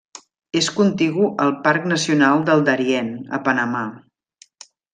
És contigu al Parc Nacional del Darién, a Panamà.